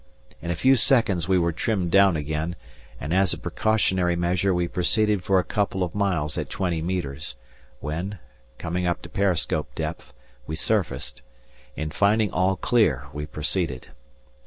In a few seconds we were trimmed down again, and as a precautionary measure we proceeded for a couple of miles at twenty metres, when, coming up to periscope depth, we surfaced, and finding all clear we proceeded.